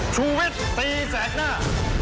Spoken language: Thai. ชูวิตตี๓แสนหน้า